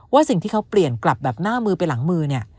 สิ่งที่เขาเปลี่ยนกลับแบบหน้ามือไปหลังมือเนี่ย